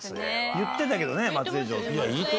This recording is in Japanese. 言ってたけどね松江城って。